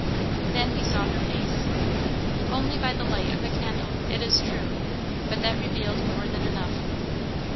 Then he saw her face. Only by the light of a candle, it is true; but that revealed more than enough.